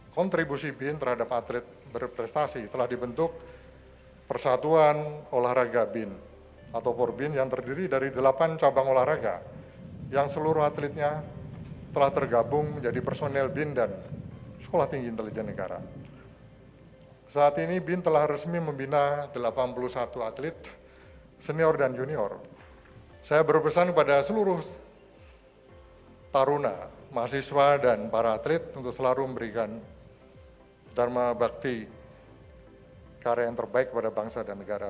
kepada seluruh taruna mahasiswa dan para atlet untuk selalu memberikan dharma bakti karya yang terbaik kepada bangsa dan negara